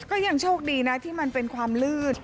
ยังโชคดีนะที่มันเป็นความลืด